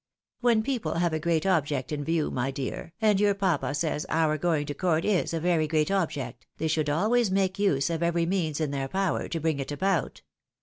When people have a great object in view, my dear, and your papa says our going to court is a very great object, they should always make use of every means in their power to bring it about.